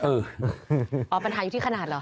อ๋อปัญหาอยู่ที่ขนาดเหรอ